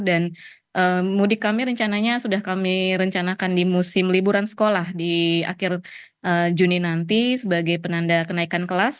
dan mudik kami rencananya sudah kami rencanakan di musim liburan sekolah di akhir juni nanti sebagai penanda kenaikan kelas